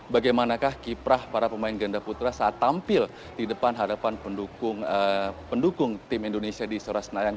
bagaimanakah kiprah para pemain ganda putra saat tampil di depan hadapan pendukung tim indonesia di istora senayan